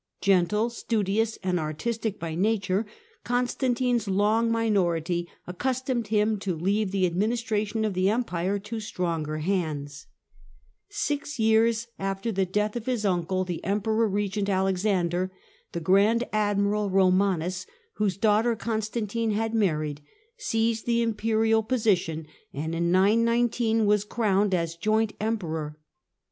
Gentle, studious and artistic by nature, Constantino's long minority accustomed him to leave the administration of the Empire to stronger hands. Six years after the death of his uncle, the (Co regent Empcror regcnt Alexander, the grand admiral Romanus, Akxandei" whose daughter Constantine had married, seized the im Konumusi P^^'^^^ position, and, in 919, was crowned as joint Emperor.